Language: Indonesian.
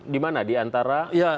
di mana di antara